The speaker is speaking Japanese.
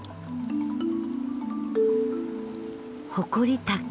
ホコリタケ。